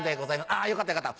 「あぁよかったよかった」。